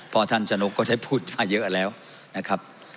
เพราะท่านชนกก็ใช้พูดมาเยอะแล้วนะครับ